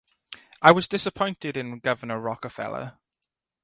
I was disappointed in Governor Rockefeller.